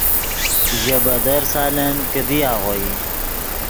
ژے بدر سالن کیدی آغوئی